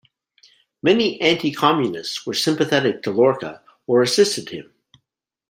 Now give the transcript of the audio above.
Many anti-communists were sympathetic to Lorca or assisted him.